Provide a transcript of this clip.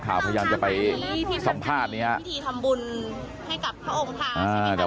ข่าวพยายามจะไปสัมภาษณ์นี้พิธีทำบุญให้กับพระองค์ท้าแต่